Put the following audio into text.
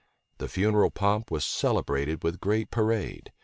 The funeral pomp was celebrated with great parade.